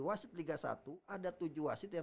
wasit liga satu ada tujuh wasit yang